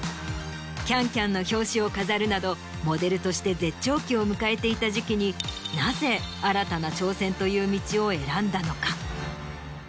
『ＣａｎＣａｍ』の表紙を飾るなどモデルとして絶頂期を迎えていた時期になぜ新たな挑戦という道を選んだのか？